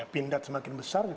pindad semakin besar